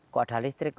kok ada listrik